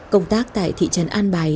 công tác tại thị trấn an bài